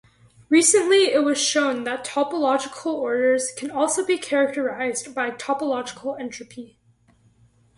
Recently, it was shown that topological orders can also be characterized by topological entropy.